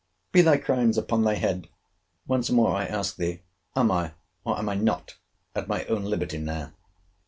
Be thy crimes upon thy head! Once more I ask thee, Am I, or am I not, at my own liberty now?